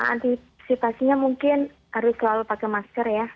antisipasinya mungkin harus selalu pakai masker ya